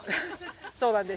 そうなんです。